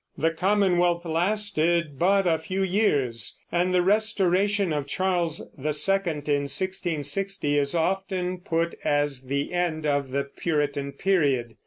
The Commonwealth lasted but a few years, and the restoration of Charles II in 1660 is often put as the end of the Puritan period.